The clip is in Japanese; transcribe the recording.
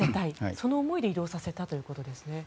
その思いで移動させたということですね。